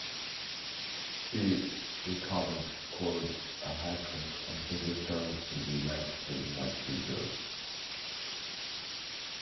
He recovered and scored a hat-trick on his return for the Manchester United reserves.